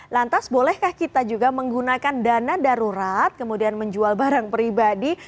lantas bolehkah kita juga menggunakan dana darurat kemudian menjual barang pribadi